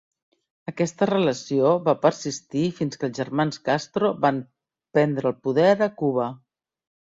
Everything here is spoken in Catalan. Aquesta relació va persistir fins que els germans Castro van prendre el poder a Cuba.